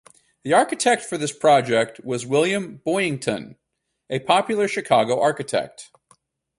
The architect for this project was William Boyington, a popular Chicago architect.